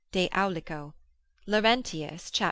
de aulico. Laurentius, cap.